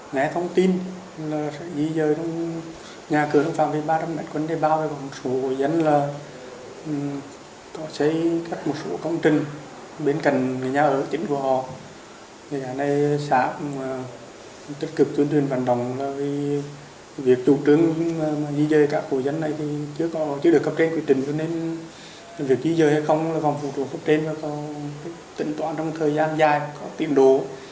nhưng mà di dời cả hộ dân này thì chưa được cập trình quy trình cho nên việc di dời hay không là còn phục vụ cập trình và có tỉnh toán trong thời gian dài có tiệm đồ